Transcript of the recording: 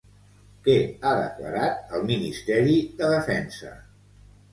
Què ha declarat el Ministeri de Defensa?